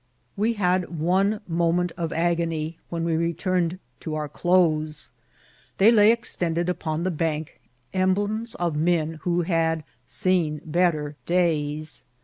We had one moment of agony when we returned to our clothes. They lay extended upon the bank, em blems of men who had seen better days.